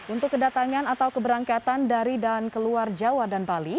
untuk kedatangan atau keberangkatan dari dan keluar jawa dan bali